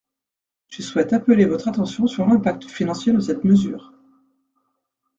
Je souhaite appeler votre attention sur l’impact financier de cette mesure.